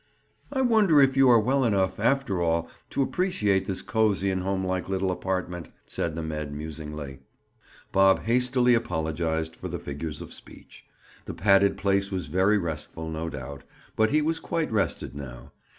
"I wonder if you are well enough, after all, to appreciate this cozy and home like little apartment?" said the med. musingly. Bob hastily apologized for the figures of speech. The padded place was very restful, no doubt, but he was quite rested now.